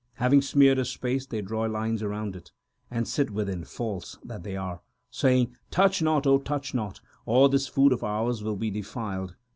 Having smeared a space they draw lines around it, And sit within, false that they are, Saying, Touch not ! O touch not ! Or this food of ours will be defiled.